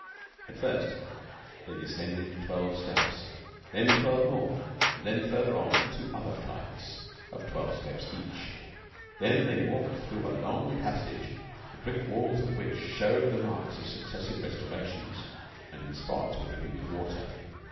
At first, they descended twelve steps, then twelve more, and, farther on, two other flights of twelve steps each. Then they walked through a long passageway, the brick walls of which showed the marks of successive restorations, and, in spots, were dripping with water.